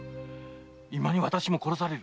今に私も殺される。